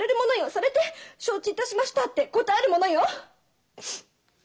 されて「承知いたしました」って答えるものよ。